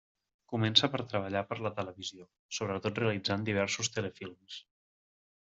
Comença per treballar per a la televisió, sobretot realitzant diversos telefilms.